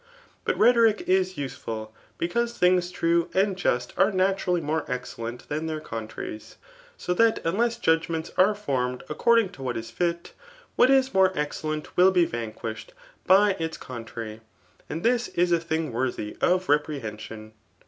But rhetoric ia u^ieful because things true and just are naturally more excellent than their contraries ; so that ustesa judgments are formed according to what is fit, wkftt is more excellent will be vanquished by its con trary; and thjs is a thing worthy of reprehensbn.